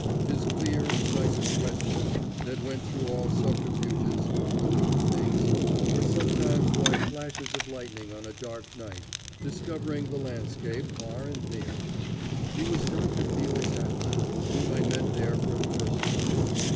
His clear, incisive questions, that went through all subterfuges to the root of things, were sometimes like flashes of lightning on a dark night discovering the landscape far and near. He was Dr. Felix Adler, whom I met there for the first time.